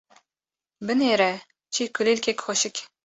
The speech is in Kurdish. Binêre çi kulîlkek xweşik.